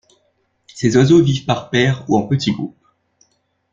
Ces oiseaux vivent par paires ou en petits groupes.